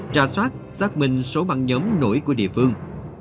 trà soát xác minh số băng nhóm nổi của địa phương